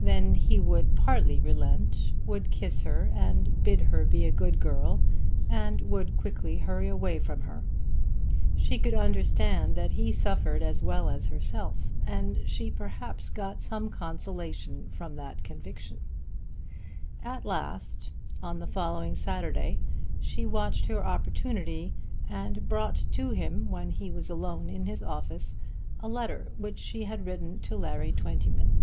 Then he would partly relent, would kiss her and bid her be a good girl, and would quickly hurry away from her. She could understand that he suffered as well as herself, and she perhaps got some consolation from the conviction. At last, on the following Saturday she watched her opportunity and brought to him when he was alone in his office a letter which she had written to Larry Twentyman.